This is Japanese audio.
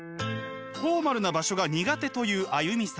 フォーマルな場所が苦手というＡＹＵＭＩさん。